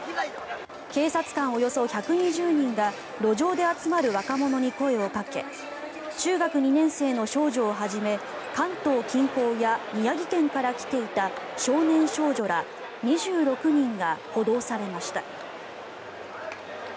警察官およそ１２０人が路上で集まる若者に声をかけ中学２年生の少女をはじめ関東近郊や宮城県から来ていた少年少女ら２６人が補導されました。